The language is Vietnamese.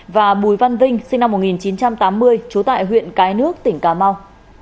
và bùi văn vinh sinh năm một nghìn chín trăm tám mươi trú tại huyện cái nước tỉnh cà mau